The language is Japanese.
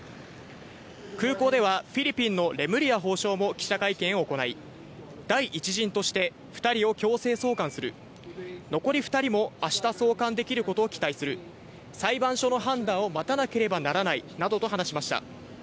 空港ではフィリピンのレムリヤ法相も記者会見を行い、第一陣として２人を強制送還する、残り２人も明日送還できることを期待する、裁判所の判断を待たなければならないなどと話しました。